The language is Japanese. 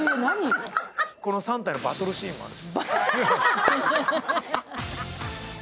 この３体のバトルシーンもあるんです。